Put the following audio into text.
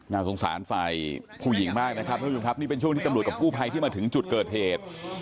สงสารฝ่ายผู้หญิงมากนะครับท่านผู้ชมครับนี่เป็นช่วงที่ตำรวจกับกู้ภัยที่มาถึงจุดเกิดเหตุ